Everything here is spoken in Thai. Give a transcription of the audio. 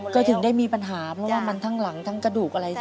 ก็ถึงได้มีปัญหาเพราะว่ามันทั้งหลังทั้งกระดูกอะไร